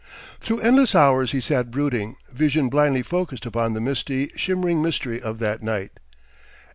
Through endless hours he sat brooding, vision blindly focussed upon the misty, shimmering mystery of that night.